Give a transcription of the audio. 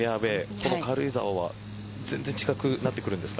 この軽井沢は全然違くなってくるんですか。